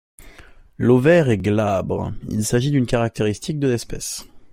L'ovaire est glabre : il s'agit d'une caractéristique de l'espèce.